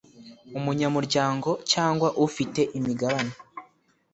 umunyamuryango cyangwa ufite imigabane